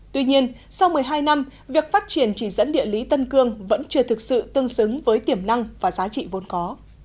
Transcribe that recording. tuy nhiên sau một mươi hai năm việc phát triển chỉ dẫn địa lý tân cương vẫn chưa thực sự tương xứng với tiềm năng và giá trị vốn có